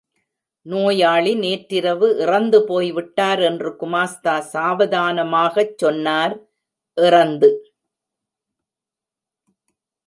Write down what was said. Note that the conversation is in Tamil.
நோயாளி நேற்றிரவு இறந்துபோய்விட்டார் என்று குமாஸ்தா சாவதானமாகச் சொன்னார், இறந்து.?